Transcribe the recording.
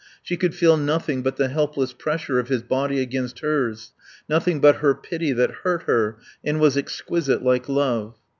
She could feel nothing but the helpless pressure of his body against hers, nothing but her pity that hurt her and was exquisite like love.